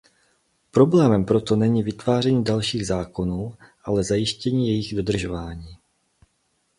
Problémem proto není vytváření dalších zákonů, ale zajištění jejich dodržování.